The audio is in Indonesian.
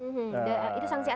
itu saksi administrasi